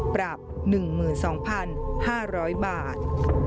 ปรับ๑๒๕๐๐บาท